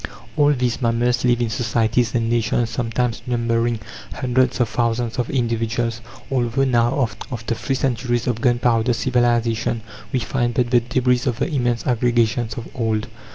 All these mammals live in societies and nations sometimes numbering hundreds of thousands of individuals, although now, after three centuries of gunpowder civilization, we find but the debris of the immense aggregations of old.